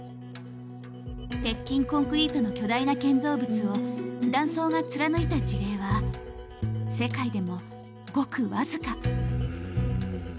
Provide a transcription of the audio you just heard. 鉄筋コンクリートの巨大な建造物を断層が貫いた事例は世界でもごく僅か。